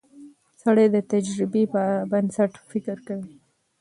سړی د تجربې پر بنسټ فکر کوي